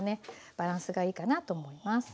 バランスがいいかなと思います。